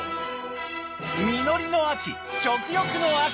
実りの秋食欲の秋。